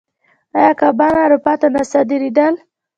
آیا کبان اروپا ته نه صادرېدل؟